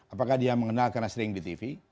apakah dia mengenal karena sering di tv